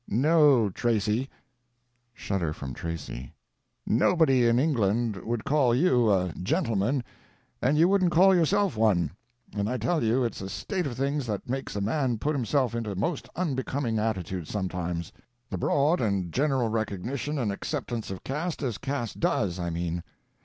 No, Tracy" (shudder from Tracy) "nobody in England would call you a gentleman and you wouldn't call yourself one; and I tell you it's a state of things that makes a man put himself into most unbecoming attitudes sometimes—the broad and general recognition and acceptance of caste as caste does, I mean.